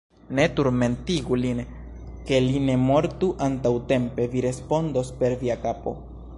Ne turmentegu lin, ke li ne mortu antaŭtempe: vi respondos per via kapo!